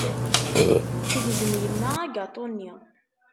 Tegzem yemma agaṭu-nni.